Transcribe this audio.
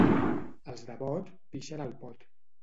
Els de Bot pixen al pot.